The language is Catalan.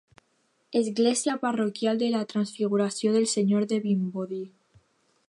Església parroquial de la Transfiguració del Senyor de Vimbodí.